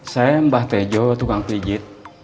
saya mbah tejo tukang pijit